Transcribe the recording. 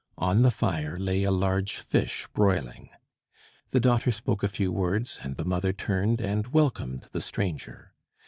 On the fire lay a large fish broiling. The daughter spoke a few words, and the mother turned and welcomed the stranger.